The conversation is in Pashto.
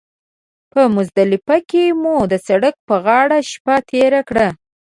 په مزدلفه کې مو د سړک پر غاړه شپه تېره کړه.